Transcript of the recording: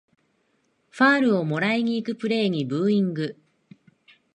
ファールをもらいにいくプレイにブーイング